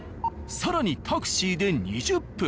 更にタクシーで２０分。